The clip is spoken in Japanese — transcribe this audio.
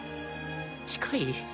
近い